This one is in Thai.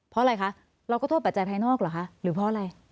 เพราะอะไรคะเราก็โทษปัจจัยภายนอกเหรอคะหรือเพราะอะไร